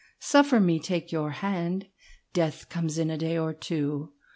Suffer me to take your hand. Death comes in a day or two.